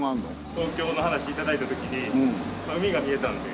東京の話頂いた時に海が見えたんで。